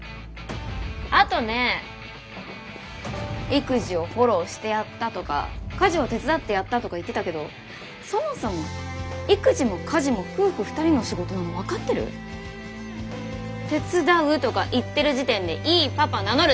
あとね育児をフォローしてやったとか家事を手伝ってやったとか言ってたけどそもそも育児も家事も夫婦２人の仕事なの分かってる？手伝うとか言ってる時点でいいパパ名乗る資格なし！